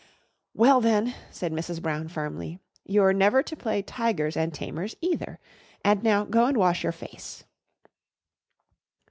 '" "Well, then," said Mrs. Brown firmly, "you're never to play 'Tigers and Tamers' either. And now go and wash your face."